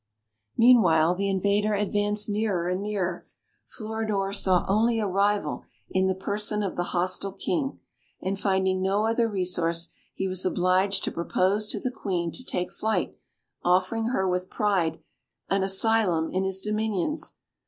Meanwhile the invader advanced nearer and nearer. Floridor saw only a rival in the person of the hostile king; and finding no other resource, he was obliged to propose to the Queen to take flight, offering her with pride an asylum in his dominions.